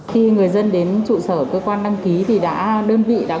khi người dân đến trụ sở cơ quan đăng ký thì đã đơn vị đã